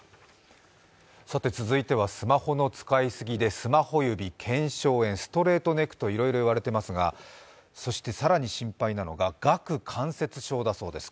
続いてはスマホの使いすぎでスマホ指、腱鞘炎、ストレートネックといろいろいわれていますがそして更に心配なのが顎関節症だそうです。